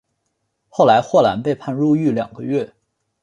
后来霍兰被判入狱两个月。